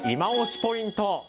ポイント。